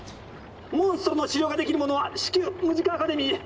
「モンストロの治療ができる者は至急ムジカ・アカデミーへ！」。